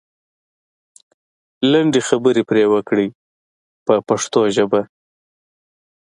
لنډې خبرې پرې وکړئ په پښتو ژبه.